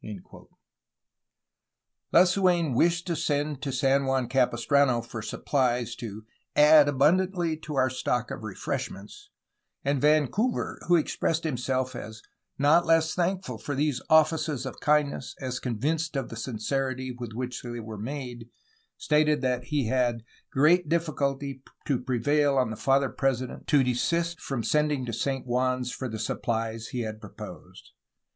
3S0 A HISTOilY Oi^' CALIFORNIA Lasu^n wished to send to San Juan Capistrano for supplies to ''add abundantly to our stock of refreshments/' and Van couver, who expressed himself as ''not less thankful for these offices of kindness as convinced of the sincerity with which they were made/' stated that he ''had great difficulty to prevail on the father president to desist from sending to St. Juan's for the supplies he had proposed."